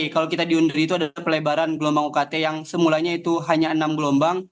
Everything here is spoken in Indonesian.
kalau kita di undur itu ada pelebaran gelombang ukt yang semulanya itu hanya enam gelombang